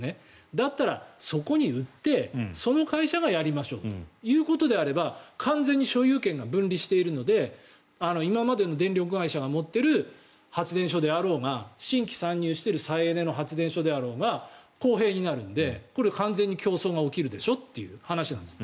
だったら、そこに売ってその会社がやりましょうということであれば完全に所有権が分離しているので今までの電力会社が持っている発電所であろうが新規参入している再エネの発電所であろうが公平になるので完全に競争が起きるでしょという話なんです。